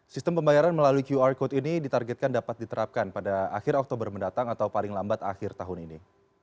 sistem pembayaran melalui qr code ini ditargetkan dapat diterapkan pada akhir oktober mendatang atau paling lambat akhir tahun ini